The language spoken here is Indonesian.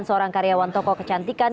seorang karyawan toko kecantikan